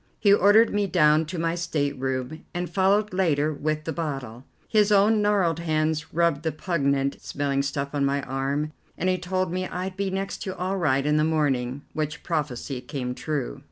He ordered me down to my stateroom, and followed later with the bottle. His own gnarled hands rubbed the pungent smelling stuff on my arm, and he told me I'd be next to all right in the morning, which prophecy came true.